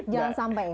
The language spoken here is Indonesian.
jangan sampai ya